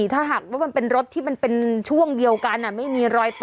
ถ้าหากว่ามันเป็นรถที่มันเป็นช่วงเดียวกันไม่มีรอยต่อ